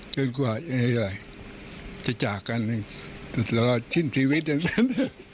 กว่าจะจากกันตลอดสิ้นชีวิตอย่างนั้น